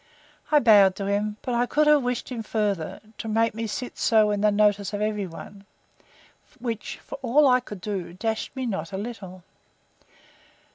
I bowed to him, but I could have wished him further, to make me sit so in the notice of every one; which, for all I could do, dashed me not a little.